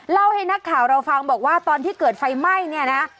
เล่าให้นักข่าวเราฟังบอกว่าตอนที่เกิดไฟไหม้เนี่ยนะ